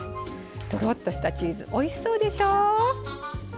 とろっとしたチーズおいしそうでしょ。